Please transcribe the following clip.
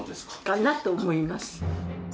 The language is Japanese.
かなと思います。